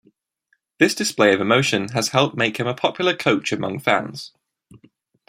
This display of emotion has helped make him a popular coach among fans.